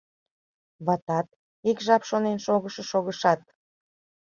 Ватат ик жап шонен шогыш-шогышат: